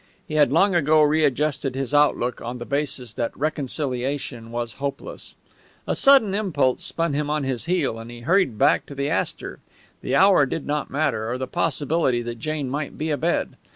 He had long ago readjusted his outlook on the basis that reconciliation was hopeless. A sudden impulse spun him on his heel, and he hurried back to the Astor. The hour did not matter, or the possibility that Jane might be abed.